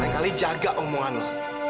lain kali jaga omongan lu